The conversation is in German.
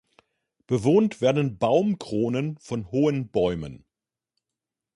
Bewohnt werden Baumkronen von hohen Bäumen.